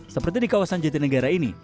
seperti di kawasan jatinegara ini